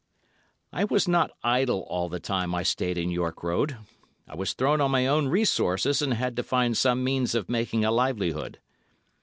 I was not idle all the time I stayed in York Road. I was thrown on my own resources and had to find some means of making a livelihood.